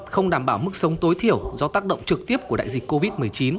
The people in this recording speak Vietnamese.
không đảm bảo mức sống tối thiểu do tác động trực tiếp của đại dịch covid một mươi chín